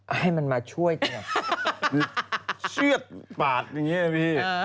ให้มันมาช่วยตัวชื่อกปากอย่างนี้นะพี่